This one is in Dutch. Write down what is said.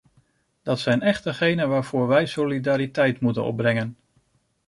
Dat zijn echt degenen waarvoor wij solidariteit moeten opbrengen.